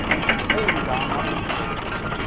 Ayen d-ɛemmer i nettat.